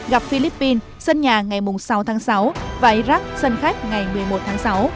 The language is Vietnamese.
gặp philippines sân nhà ngày sáu tháng sáu và iraq sân khách ngày một mươi một tháng sáu